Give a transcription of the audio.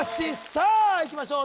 さあいきましょう